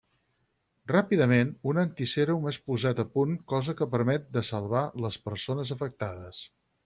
Ràpidament, un antisèrum és posat a punt cosa que permet de salvar les persones afectades.